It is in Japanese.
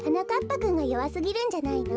ぱくんがよわすぎるんじゃないの？